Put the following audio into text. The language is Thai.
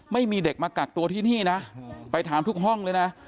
ไม่มีเด็กมากักตัวที่นี่นะไปถามทุกห้องเลยนะ